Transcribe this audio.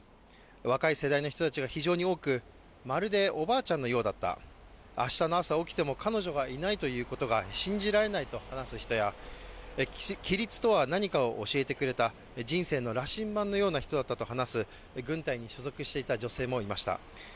若い世代の人たちが非常に多く、まるでおばあちゃんのようだった明日の朝起きても彼女がいないということが信じられないと話す人や規律とは何かを教えてくれた人生の羅針盤のような人だったと話す軍隊に所属していた女性もいました。